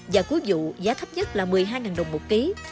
và cuối vụ giá thấp nhất là một mươi hai đồng một ký